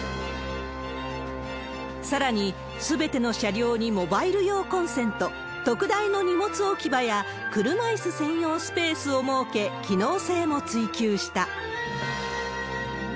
さらに、すべての車両にモバイル用コンセント、特大の荷物置き場や車いす専用スペースを設け、機能性も追求した。